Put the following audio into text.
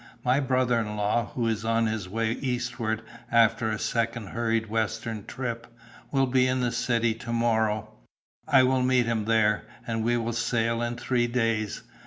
My brother in law, who is on his way eastward, after a second hurried western trip, will be in the city to morrow; I meet him there, and we sail in three days.